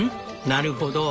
なるほど。